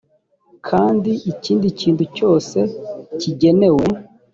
kandi ikindi kintu cyose cyigenewe